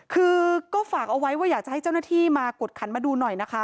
คือก็ฝากเอาไว้ว่าอยากจะให้เจ้าหน้าที่มากดขันมาดูหน่อยนะคะ